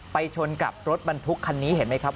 ชนกับรถบรรทุกคันนี้เห็นไหมครับ